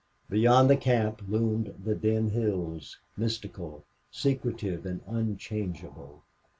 Beyond the camp loomed the dim hills, mystical, secretive, and unchangeable.